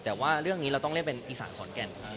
แต่ว่าเรื่องนี้เราต้องเล่นเป็นอีสานขอนแก่น